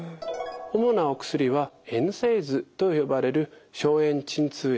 主なお薬はＮＳＡＩＤｓと呼ばれる消炎鎮痛薬。